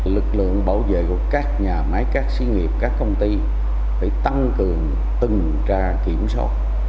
lực lượng bảo vệ của các nhà máy các sĩ nghiệp các công ty phải tăng cường từng tra kiểm soát